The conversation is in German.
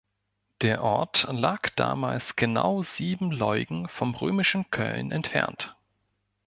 Der Ort lag damals genau sieben Leugen vom römischen Köln entfernt.